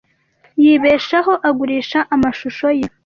Yibeshaho agurisha amashusho ye.